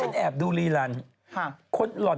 ไม่งั้นเดี๋ยวเราจะพลาด